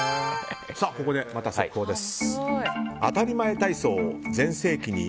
ここで速報です。